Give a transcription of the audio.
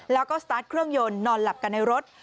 แล้วก็สตาร์ทเครื่องยนต์นอนหลับกันในรถ